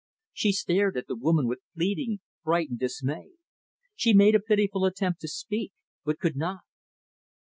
She stared at the woman with pleading, frightened dismay. She made a pitiful attempt to speak, but could not.